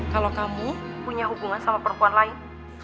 kalau kamu punya hubungan sama perempuan lain